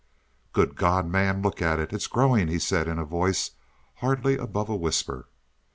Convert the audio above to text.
"Good God, man, look at it it's growing," he said in a voice hardly above a whisper.